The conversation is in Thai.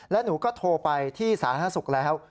และหนูก็โทรไปที่สาธารณสุขแล้ว